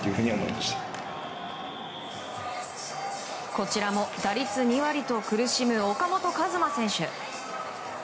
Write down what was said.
こちらも打率２割と苦しむ岡本和真選手。